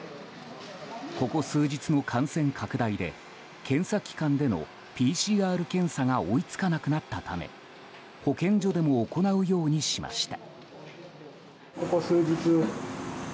ここ数日の感染拡大で検査機関でのＰＣＲ検査が追い付かなくなったため保健所でも行うようにしました。